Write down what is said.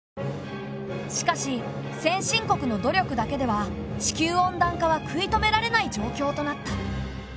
しかし先進国の努力だけでは地球温暖化は食い止められない状況となった。